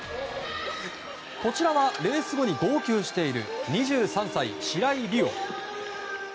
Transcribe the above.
こちらはレース後に号泣している２３歳、白井璃緒。